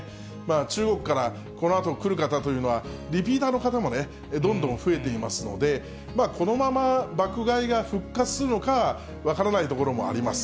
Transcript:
中国からこのあと来る方というのはリピーターの方もね、どんどん増えていますので、このまま爆買いが復活するのかは分からないところもあります。